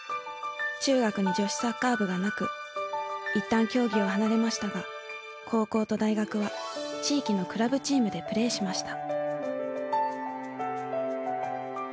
中学に女子サッカー部がなくいったん競技を離れましたが高校と大学は地域のクラブチームでプレーしました。